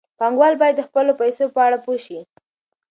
پانګوال باید د خپلو پیسو په اړه پوه شي.